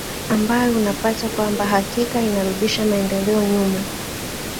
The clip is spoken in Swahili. ambayo unapata kwamba hakika inarudisha maendeleo nyuma